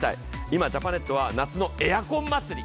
今、ジャパネットは夏のエアコン祭り。